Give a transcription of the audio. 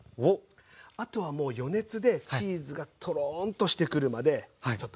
あとはもう余熱でチーズがトロンとしてくるまでちょっと待ちますという感じです。